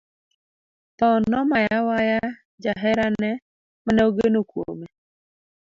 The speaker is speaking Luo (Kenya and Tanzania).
Tho nomaya waya jaherane mane ogeno kuome.